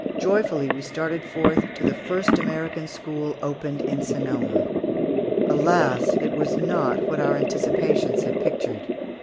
Joyfully we started forth to the first American school opened in Sonoma. Alas! it was not what our anticipations had pictured.